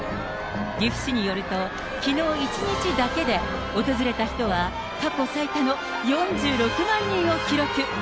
岐阜市によると、きのう１日だけで訪れた人は過去最多の４６万人を記録。